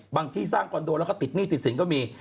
ที่สร้างคอนโดแล้วก็ติดหนี้ติดสินก็มี